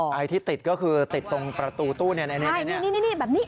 ไอ้ที่ติดก็คือติดตรงประตูตู้เนี่ยแบบนี้